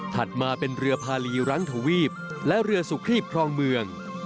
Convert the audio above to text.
มาเป็นเรือพาลีรังทวีปและเรือสุขรีบครองเมือง